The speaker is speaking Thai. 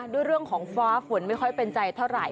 ด้วยเรื่องของฟ้าฝนไม่ค่อยเป็นใจเท่าไหร่